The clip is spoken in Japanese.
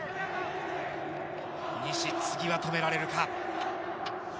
西、次は止められるか。